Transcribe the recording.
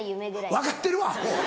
分かってるわアホ！